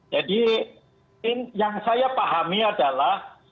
jadi yang saya pahami adalah